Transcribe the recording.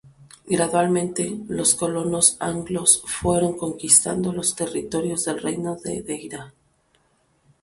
Gradualmente, los colonos anglos fueron conquistando los territorios del reino de Deira.